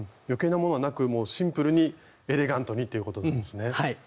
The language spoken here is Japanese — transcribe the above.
余計なものはなくもうシンプルにエレガントにっていうことなんですね。